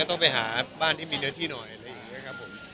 ต้องไปหาบ้านที่มีเนื้อที่หน่อยอะไรอย่างนี้ครับผม